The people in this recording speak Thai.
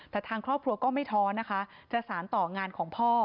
แต่ทางครอบครัวก็ไม่ท้อนะคะจะสารต่องานของพ่อ